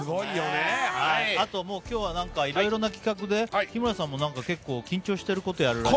あと今日はいろいろな企画で日村さんもちょっと緊張していることやるらしい。